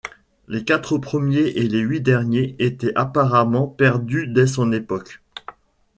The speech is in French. Les quatre premiers et les huit derniers étaient apparemment perdus dès son époque.